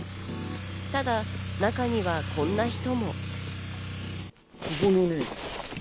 ただ中にはこんな人も。